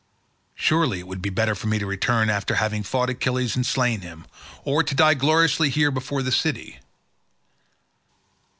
Surely it would be better for me to return after having fought Achilles and slain him, or to die gloriously here before the city.